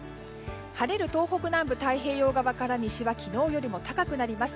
晴れる東北南部太平洋側から西は昨日よりも高くなります。